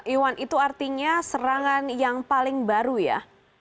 iwan itu artinya serangan yang paling baru ya